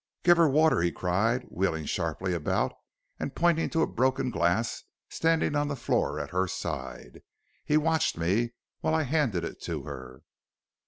"'Give her water,' he cried, wheeling sharply about. And pointing to a broken glass standing on the floor at her side, he watched me while I handed it to her.